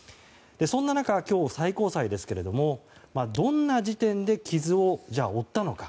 そんな中、今日、最高裁ですがどんな時点で傷を負ったのか。